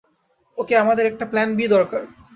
ওকে, আমাদের একটা plan B দরকার।